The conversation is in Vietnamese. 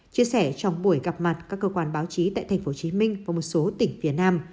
chia sẻ trong buổi gặp mặt các cơ quan báo chí tại tp hcm và một số tỉnh phía nam